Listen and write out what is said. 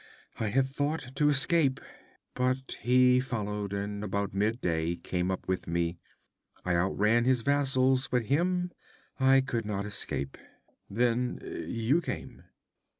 I had thought to escape but he followed, and about midday came up with me. I outran his vassals, but him I could not escape. Then you came.'